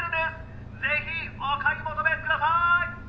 ぜひお買い求めください！